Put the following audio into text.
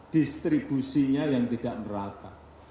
distribusinya yang tidak merata